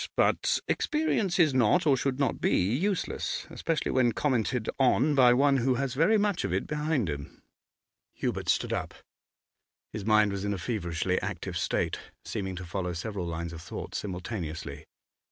But experience is not, or should not be, useless, especially when commented on by one who has very much of it behind him.' Hubert stood up. His mind was in a feverishly active state, seeming to follow several lines of thought simultaneously.